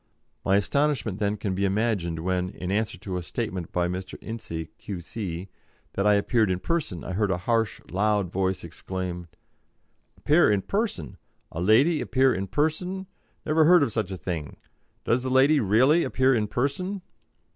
My astonishment, then, can be imagined when, in answer to a statement by Mr. Ince, Q.C., that I appeared in person, I heard a harsh, loud voice exclaim: "Appear in person? A lady appear in person? Never heard of such a thing! Does the lady really appear in person?"